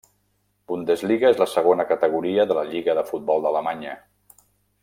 Bundesliga és la segona categoria de la Lliga de futbol d'Alemanya.